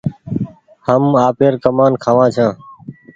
هم آپير ڪمآن کآوآن ڇآن